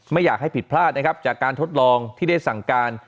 ไม่อยากให้ผิดพลาดนะครับจากการทดลองที่ได้สั่งการ